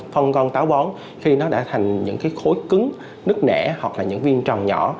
phân con tàu bón khi nó đã thành những khối cứng nứt nẻ hoặc là những viên tròn nhỏ